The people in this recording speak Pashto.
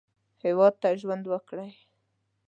هېواد ته ژوند وکړئ